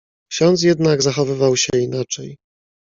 "Ksiądz jednak zachowywał się inaczej."